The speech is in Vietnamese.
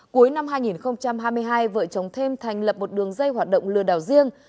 cuối năm hai nghìn hai mươi hai vợ chồng thêm thành lập một đường dây hoạt động lừa đảo riêng